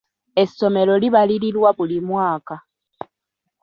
Essomero libalirirwa buli mwaka.